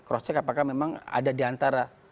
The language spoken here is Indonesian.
cross check apakah memang ada di antara